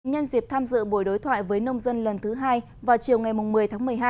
nhân dịp tham dự buổi đối thoại với nông dân lần thứ hai vào chiều ngày một mươi tháng một mươi hai